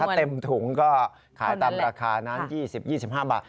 เต็มถุงก็ขายตามราคานั้น๒๐๒๕บาท